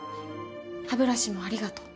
歯ブラシもありがとう。